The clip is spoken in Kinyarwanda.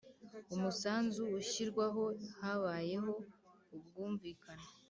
umusanzu ushyirwaho habayeho ubwumvikane